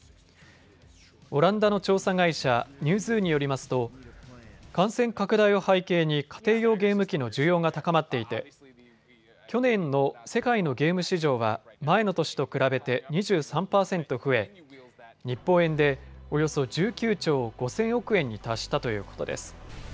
オランダの調査会社、ニューズーによりますと感染拡大を背景に家庭用ゲーム機の需要が高まっていて去年の世界のゲーム市場は前の年と比べて２３％増え日本円でおよそ１９兆５０００億円に達したということです。